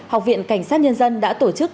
học viện cảnh sát nhân dân đã tổ chức